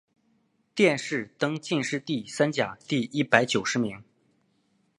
殿试登进士第三甲第一百九十名。